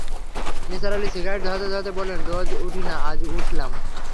Nisar Ali cigarette ধরাতে-ধরাতে বললেন, রোজ উঠি না, আজ উঠলাম।